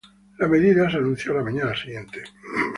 La medida se anunció la mañana siguiente.